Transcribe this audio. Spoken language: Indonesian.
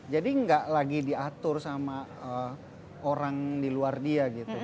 jadi gak lagi diatur sama orang di luar dia gitu